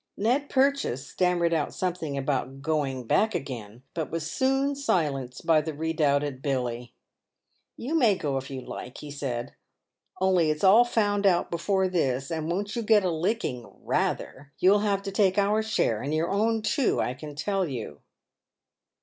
Ned Purchase stammered out something about going back again, but was soon "silenced by the redoubted Billy. "You may go if you like," he said, " only it's all found out before this ; and won't you get a licking — rather ! You'll have to take our share and your own too, I can tell you."